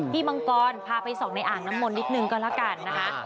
พี่บังกอนพาไปส่องในอ่างน้ำมนิดหนึ่งก็ละกันนะฮะ